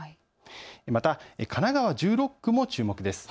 また、神奈川１６区も注目です。